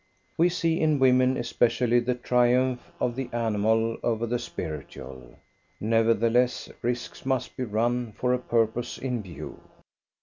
We see in women especially the triumph of the animal over the spiritual. Nevertheless, risks must be run for a purpose in view.